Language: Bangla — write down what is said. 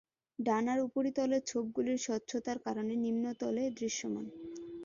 ডানার উপরিতলের ছোপগুলি স্বচ্ছতার কারণে নিম্নতলে দৃশ্যমান।